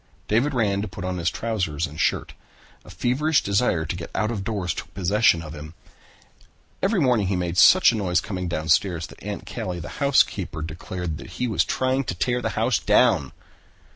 David ran to put on his trousers and shirt. A feverish desire to get out of doors took possession of him. Every morning he made such a noise coming down stairs that Aunt Callie, the housekeeper, declared he was trying to tear the house down.